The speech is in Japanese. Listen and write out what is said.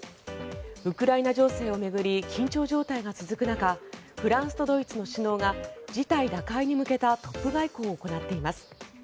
ウクライナ情勢を巡り緊張状態が続く中フランスとドイツの首脳が事態打開に向けたトップ外交を行っています。